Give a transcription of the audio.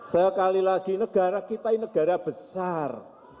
sekali lagi negara kita ini negara besar